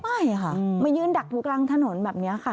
ไม่ค่ะมายืนดักอยู่กลางถนนแบบนี้ค่ะ